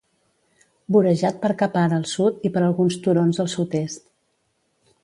Vorejat per Kapar al sud i per alguns turons al sud-est.